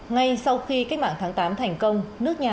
ngay sau khi cách mạng tháng tám thành công nước nhà